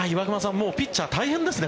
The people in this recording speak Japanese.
もうピッチャー、大変ですね。